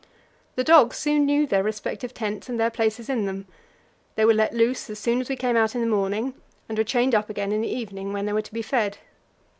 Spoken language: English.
The dogs soon knew their respective tents, and their places in them. They were let loose as soon as we came out in the morning, and were chained up again in the evening when they were to be fed.